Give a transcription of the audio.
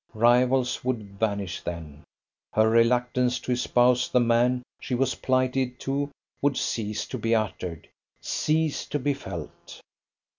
Rivals would vanish then. Her reluctance to espouse the man she was plighted to would cease to be uttered, cease to be felt.